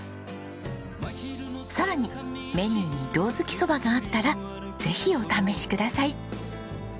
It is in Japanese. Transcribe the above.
さらにメニューに胴搗き蕎麦があったらぜひお試しください。